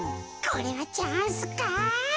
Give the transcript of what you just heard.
これはチャンスか？